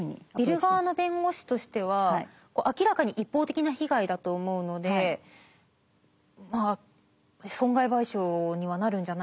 ビル側の弁護士としては明らかに一方的な被害だと思うので損害賠償にはなるんじゃないかと。